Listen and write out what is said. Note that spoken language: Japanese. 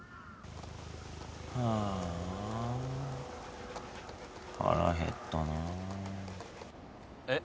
ああ腹減ったなぁえっ？